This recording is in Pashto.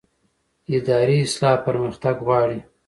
اداري اصلاح پرمختګ غواړي